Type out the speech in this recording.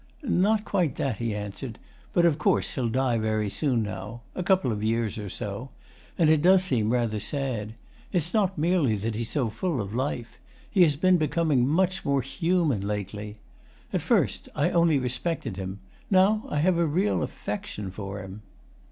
'Not quite that,' he answered. 'But of course he'll die very soon now. A couple of years or so. And it does seem rather sad. It's not merely that he's so full of life. He has been becoming much more HUMAN lately. At first I only respected him. Now I have a real affection for him.